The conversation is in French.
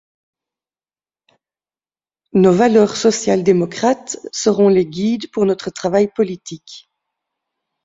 Nos valeurs sociale-démocrates seront les guides pour notre travail politique.